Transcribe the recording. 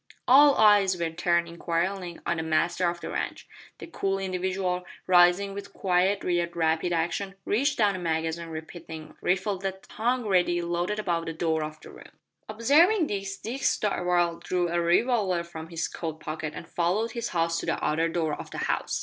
All eyes were turned inquiringly on the master of the ranch. That cool individual, rising with quiet yet rapid action, reached down a magazine repeating rifle that hung ready loaded above the door of the room. Observing this, Dick Darvall drew a revolver from his coat pocket and followed his host to the outer door of the house.